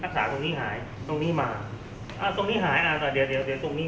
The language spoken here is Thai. มันประกอบกันแต่ว่าอย่างนี้แห่งที่